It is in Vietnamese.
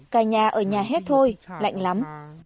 cả nhà ở nhà hết thôi lạnh lắm